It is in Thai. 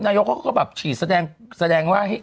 นายกเขาก็แบบฉีดแสดงว่า